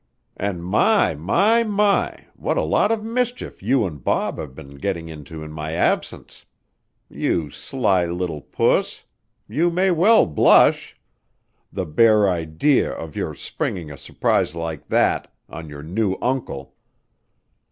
"And my, my, my! What a lot of mischief you and Bob have been getting into in my absence! You sly little puss! You may well blush. The bare idea of your springing a surprise like that on your new uncle!